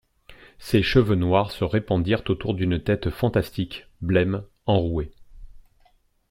Ses cheveux noirs se répandirent autour d'une tête fantastique, blême, enrouée.